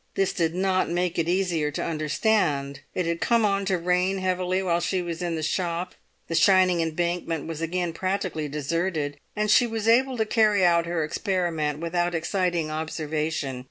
This did not make it easier to understand. It had come on to rain heavily while she was in the shop; the shining Embankment was again practically deserted, and she was able to carry out her experiment without exciting observation.